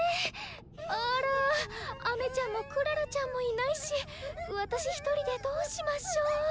あらアメちゃんもクララちゃんもいないし私一人でどうしましょう。